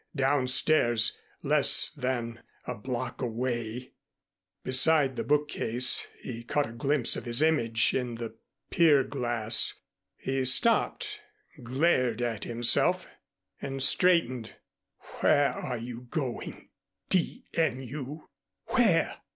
Downstairs, less than a block away Beside the bookcase he caught a glimpse of his image in the pier glass. He stopped, glared at himself and straightened. "Where are you going, d n you? Where?